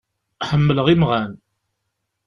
Ḥemmleɣ imɣan.